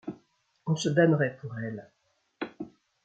On se damnerait pour elle. ..